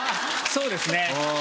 そうですね。